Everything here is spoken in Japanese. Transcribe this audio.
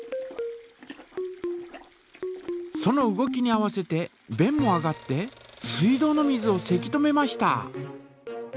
その動きに合わせてべんも上がって水道の水をせき止めました！